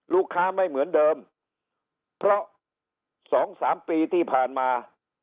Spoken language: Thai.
ลูกค้าไม่เหมือนเดิมเพราะ๒๓ปีที่ผ่านมา